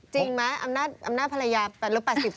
จริงไหมอำนาจภรรยา๘๘๐